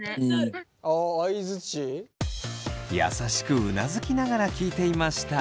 優しくうなずきながら聞いていました。